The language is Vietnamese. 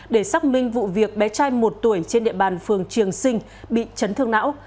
để xác minh vụ việc bé trai một tuổi trên địa bàn phường trường sinh bị chấn thương não